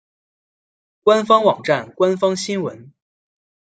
官方网站官方新闻